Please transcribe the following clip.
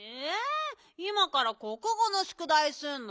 いまからこくごのしゅくだいすんの。